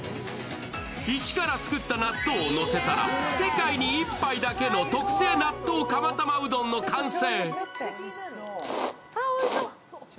一から作った納豆をのせたら、世界に１杯だけの特製納豆釜玉うどんの完成。